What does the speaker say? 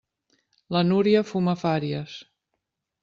La Núria fuma fàries.